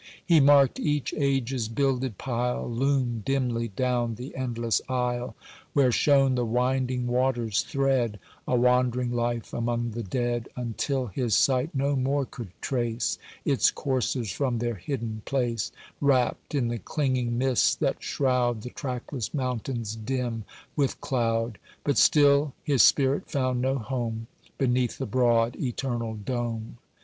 He marked each age's builded pile Loom dimly down the endless aisle, Where shone the winding waters' thread, A wandering life among the dead, Until his sight no more could trace Its courses from their hidden place, Wrapt in the clinging mists that shroud The trackless mountains dim with cloud; But still his spirit found no home Beneath the broad eternal dome.